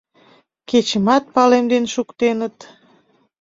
Кечымат палемден шуктеныт.